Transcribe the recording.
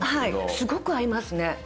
すごく合いますね。